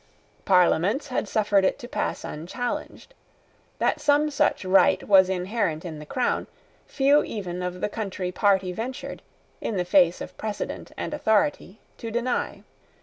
Parliaments had suffered it to pass unchallenged. That some such right was inherent in the crown, few even of the Country Party ventured, in the face of precedent and authority, to deny.